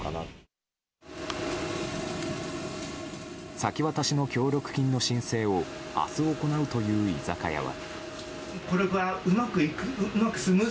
先渡しの協力金の申請を明日行うという居酒屋は。